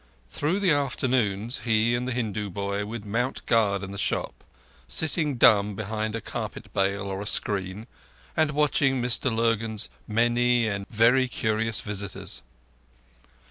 Through the afternoons he and the Hindu boy would mount guard in the shop, sitting dumb behind a carpet bale or a screen and watching Mr Lurgan's many and very curious visitors.